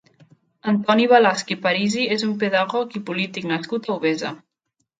Antoni Balasch i Parisi és un pedagog i polític nascut a Albesa.